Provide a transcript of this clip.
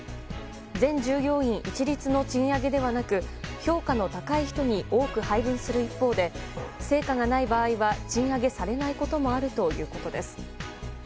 全従業員一律の賃上げではなく評価の高い人に多く配分する一方で成果がない場合は賃上げされないこともあるということです。